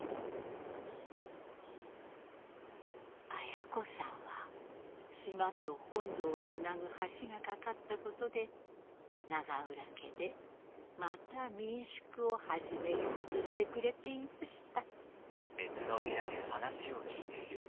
亜哉子さんは島と本土をつなぐ橋が架かったことで永浦家でまた民宿を始めようとしてくれていました。